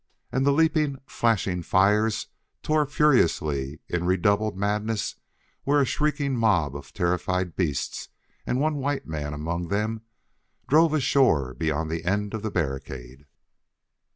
And the leaping, flashing fires tore furiously in redoubled madness where a shrieking mob of terrified beasts, and one white man among them, drove ashore beyond the end of a barricade.